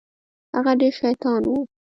هغه ډېر شيطان و.